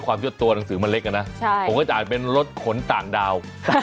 ผมก็จะอ่าว่าเป็นรถขนต่างดาว